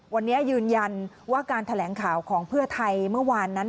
วันนี้ยืนยันว่าการแถลงข่าวของเพื่อไทยเมื่อวานนั้น